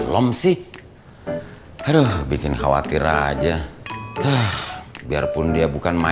gue sudah peaks udah pulang